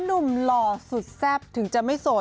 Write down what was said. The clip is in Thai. หล่อสุดแซ่บถึงจะไม่โสด